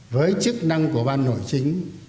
với chức năng của ban nội chính